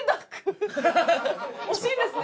惜しいんですね？